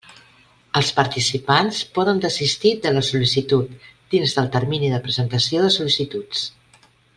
Els participants poden desistir de la sol·licitud dins del termini de presentació de sol·licituds.